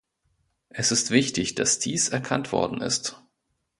Es ist wichtig, dass dies erkannt worden ist.